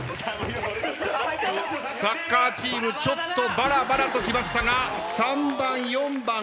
サッカーチームちょっとバラバラときましたが。